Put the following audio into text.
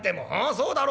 そうだろ。